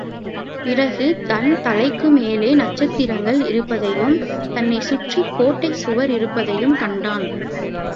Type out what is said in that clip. பிறகு தன் தலைக்குமேலே நட்சத்திரங்கள் இருப்பதையும், தன்னைச் சுற்றிக் கோட்டைச் சுவர் இருப்பதையும் கண்டான்.